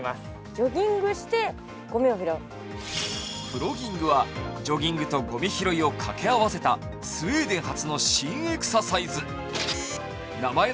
プロギングとはジョギングとごみ拾いをかけ合わせたスウェーデン発の新エクササイズ。